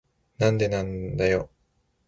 なんでなんだよ。